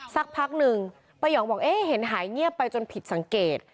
สักพักหนึ่งป้ายองบอกเอ๊ะเห็นหายเงียบไปจนผิดสังเกต